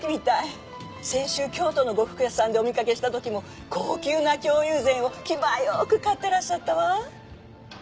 先週京都の呉服屋さんでお見かけした時も高級な京友禅を気前よく買ってらっしゃったわ。